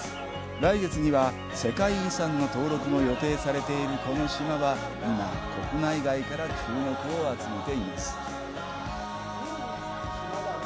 来月には世界遺産の登録も予定されているこの島は、今、国内外から注目を集めています。